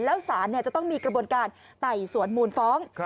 แล้วสารจะต้องมีกระบวนการไต่สวนมูลฟ้อง